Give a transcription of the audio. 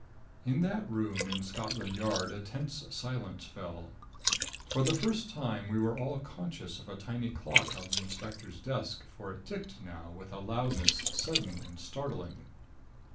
In that room in Scotland Yard a tense silence fell. For the first time we were all conscious of a tiny clock on the inspector's desk, for it ticked now with a loudness sudden and startling.